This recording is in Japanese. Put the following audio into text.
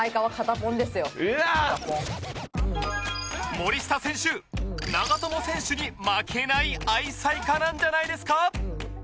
森下選手長友選手に負けない愛妻家なんじゃないですか？